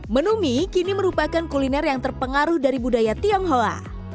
menu mie kini merupakan kuliner yang terpengaruh dari budaya tionghoa